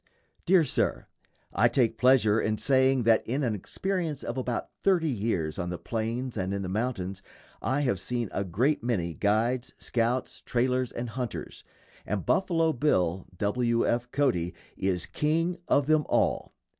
_ DEAR SIR: I take pleasure in saying that in an experience of about thirty years on the plains and in the mountains I have seen a great many guides, scouts, trailers, and hunters, and Buffalo Bill (W. F. Cody) is "king of them all."